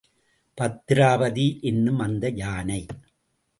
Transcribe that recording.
பத்திராபதி என்னும் அந்த யானை.